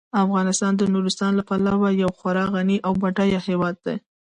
افغانستان د نورستان له پلوه یو خورا غني او بډایه هیواد دی.